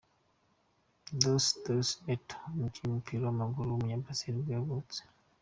Darcy Dolce Neto, umukinnyi w’umupira w’amaguru w’umunyabrazil nibwo yavutse.